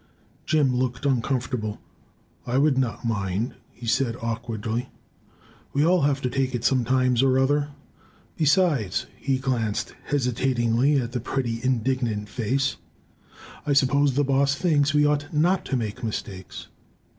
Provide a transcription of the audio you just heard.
Jim looked uncomfortable. "I would not mind," he said awkwardly. "We all have to take it sometime or other. Besides," he glanced hesitatingly at the pretty, indignant face, "I suppose the boss thinks we ought not to make mistakes."